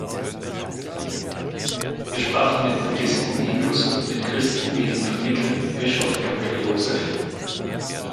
Wir sprachen mit Buddhisten, Hindus und mit Christen wie dem vermittelnden Bischof Doktor Joseph.